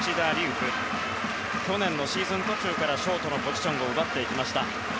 空去年のシーズン途中からショートのポジションを奪っていました。